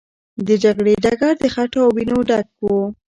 د جګړې ډګر د خټو او وینو ډک و.